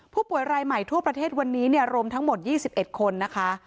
ผู้ป่วยรายใหม่ทั่วประเทศวันนี้รวมทั้งหมด๒๑คนนะคะ